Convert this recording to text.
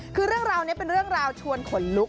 คือเรื่องราวนี้เป็นเรื่องราวชวนขนลุก